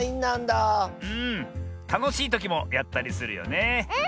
たのしいときもやったりするよねえ。